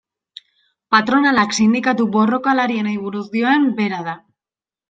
Patronalak sindikatu borrokalarienei buruz dioen bera da.